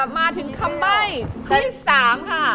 มาถึงคำใบ้ที่๓ค่ะ